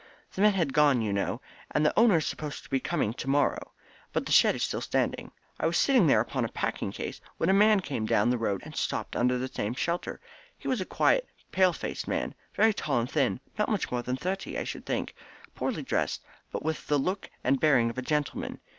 The men have gone, you know, and the owner is supposed to be coming to morrow, but the shed is still standing. I was sitting there upon a packing case when a man came down the road and stopped under the same shelter. He was a quiet, pale faced man, very tall and thin, not much more than thirty, I should think, poorly dressed, but with the look and bearing of a gentleman.